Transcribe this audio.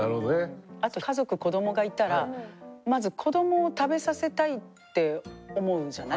あと家族子供がいたらまず子供を食べさせたいって思うんじゃない？